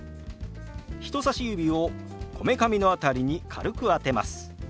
人さし指をこめかみの辺りに軽く当てます。